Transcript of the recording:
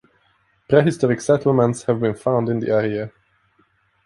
Prehistoric settlements have been found in the area.